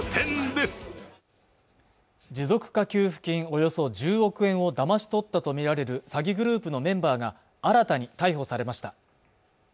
およそ１０億円をだまし取ったと見られる詐欺グループのメンバーが新たに逮捕されました